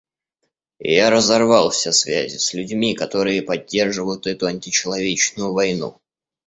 Я разорвал все связи с людьми, которые поддерживают эту античеловечную войну.